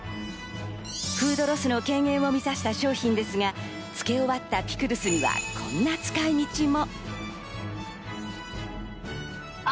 フードロスの軽減を目指した商品ですが、漬け終わったピクル酢には、こんな使い道も。